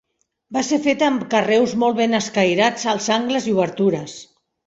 Va ser feta amb carreus molt ben escairats als angles i obertures.